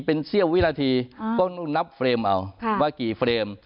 เป็นเสี้ยววินาทีก็นับเฟรมเอาว่ากี่เฟรม